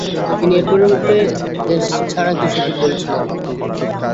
তিনি এর পরিবর্তে দেশ ছাড়াকে সঠিক বলেছিলেন।